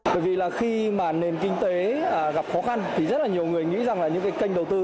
bởi vì khi nền kinh tế gặp khó khăn thì rất nhiều người nghĩ rằng những kênh đầu tư